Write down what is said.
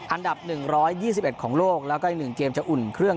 อันดับหนึ่งร้อยยี่สิบเอ็ดของโลกแล้วก็ยังหนึ่งเกมจะอุ่นเครื่อง